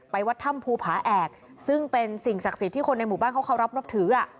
วัดถ้ำภูผาแอกซึ่งเป็นสิ่งศักดิ์สิทธิ์ที่คนในหมู่บ้านเขาเคารพนับถือ